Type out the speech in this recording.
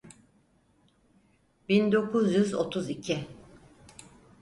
Bin dokuz yüz otuz iki.